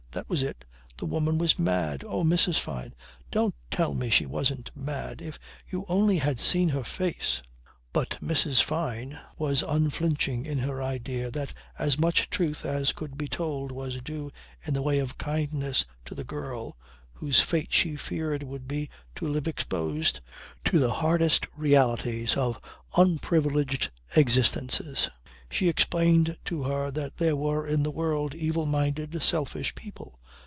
That was it! The woman was mad. "Oh! Mrs. Fyne, don't tell me she wasn't mad. If you had only seen her face ..." But Mrs. Fyne was unflinching in her idea that as much truth as could be told was due in the way of kindness to the girl, whose fate she feared would be to live exposed to the hardest realities of unprivileged existences. She explained to her that there were in the world evil minded, selfish people.